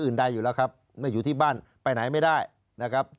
ใดอยู่แล้วครับไม่อยู่ที่บ้านไปไหนไม่ได้นะครับ